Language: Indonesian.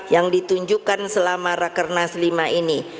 yang ditunjukkan selama rakernas lima ini